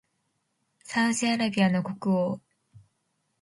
サウジアラビアの国王